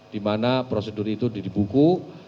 dimana prosedur itu dibuku